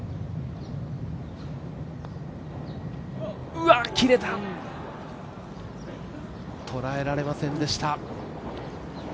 うわっ、切れたとらえられませんでした。